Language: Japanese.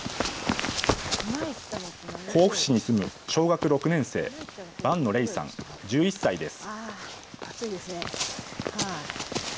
甲府市に住む小学６年生、伴野嶺さん１１歳です。